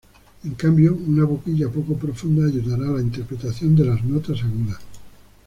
En cambio, una boquilla poco profunda ayudará a la interpretación de las notas agudas.